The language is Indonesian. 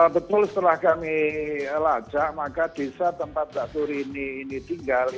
betul setelah kami lacak maka desa tempat mbak surini ini tinggal